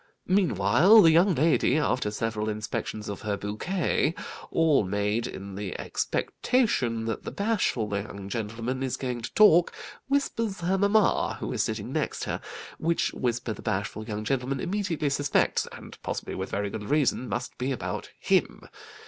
Meanwhile, the young lady, after several inspections of her bouquet, all made in the expectation that the bashful young gentleman is going to talk, whispers her mamma, who is sitting next her, which whisper the bashful young gentleman immediately suspects (and possibly with very good reason) must be about him.